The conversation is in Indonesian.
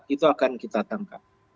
itu akan kita tangkap